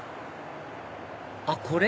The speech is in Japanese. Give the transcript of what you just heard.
あっこれ？